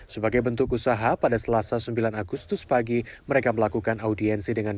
sebagai bentuk usaha pada selasa sembilan agustus pagi mereka melakukan audiensi dengan